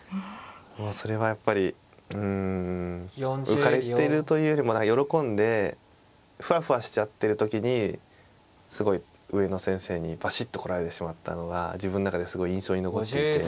それはやっぱりうん浮かれているというよりも喜んでふわふわしちゃってる時にすごい上の先生にバシッと来られてしまったのが自分の中ではすごい印象に残っていて。